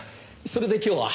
それで今日は？